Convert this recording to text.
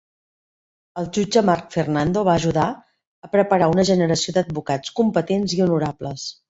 El jutge Mark Fernando va ajudar a preparar una generació d'advocats competents i honorables.